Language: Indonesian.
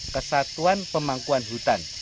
kesatuan pemangkuan hutan